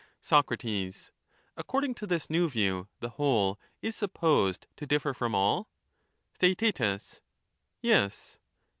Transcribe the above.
Soc, According to this new view, the whole is supposed to differ from all? Theaet, Yes.